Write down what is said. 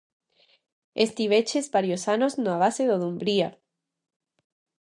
Estiveches varios anos na base do Dumbría.